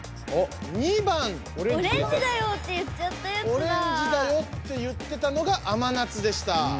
オレンジだよって言ってたのが甘夏でした。